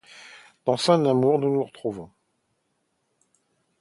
Dans Son amour nous nous retrouverons.